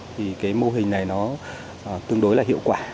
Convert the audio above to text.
thì cái mô hình này nó tương đối là hiệu quả